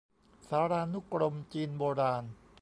สารานุกรมจีนโบราณ